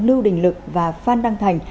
lưu đình lực và phan đăng thành